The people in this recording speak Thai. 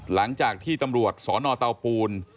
หลังจากที่ตำรวจสนเตาปูน